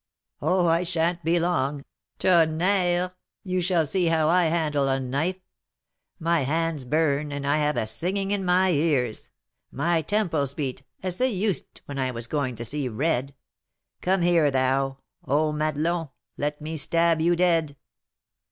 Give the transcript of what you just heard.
"Oh, I sha'n't be long. Tonnerre! you shall see how I handle a knife! My hands burn, and I have a singing in my ears; my temples beat, as they used when I was going to 'see red.' Come here, thou Ah, Madelon! let me stab you dead!"